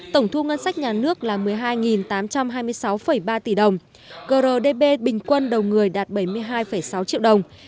tổng thu ngân sách nhà nước là một mươi hai tám trăm hai mươi sáu ba tỷ đồng grdp bình quân đầu người đạt bảy mươi hai sáu triệu đồng